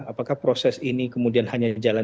apakah proses ini kemudian hanya jalan